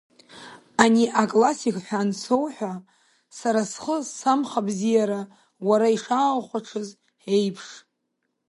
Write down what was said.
Ани, аклассик ҳәа ансоуҳәа, сара схы самхабзиара уара ишааухәаҽыз еиԥш…